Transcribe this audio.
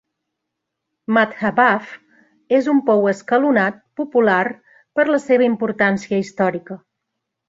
Madhavav és un pou escalonat popular per la seva importància històrica.